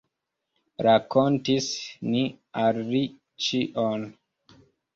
Rakontis ni al li ĉion.